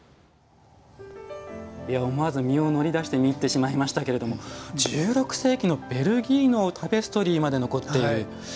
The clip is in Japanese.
思わず身を乗り出して見入ってしまいましたけれども１６世紀のベルギーのタペストリーまで残っている。